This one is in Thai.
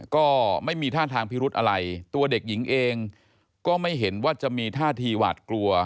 ก็ไม่มีท่าทางพิรุธอะไรตัวเด็กหญิงเองก็ไม่เห็นว่าจะมีท่าทีหวาดกลัว